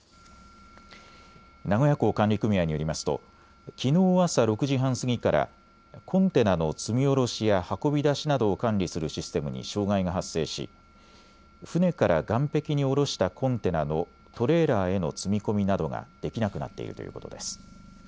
名古屋港管理組合によりますときのう朝６時半過ぎからコンテナの積み降ろしや運び出しなどを管理するシステムに障害が発生し船から岸壁に降ろしたコンテナのトレーラーへの積み込みなどができなくなっているということです。